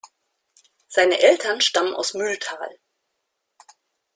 Seine Eltern stammen aus Mühltal.